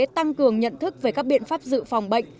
tăng cường nhận thức về các biện pháp dự phòng bệnh